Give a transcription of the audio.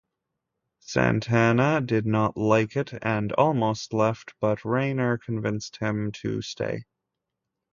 Santana did not like it and almost left, but Reiner convinced him to stay.